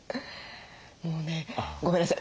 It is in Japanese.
もうねごめんなさい。